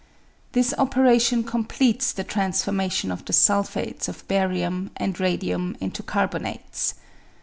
This operation completes the transformation of the sulphates of barium and radium into carbonates.